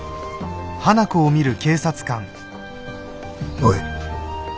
おい。